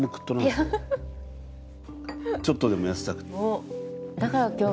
ちょっとでも痩せたくて。